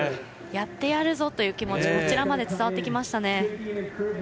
やってやるぞという気持ちがこちらまで伝わってきましたね。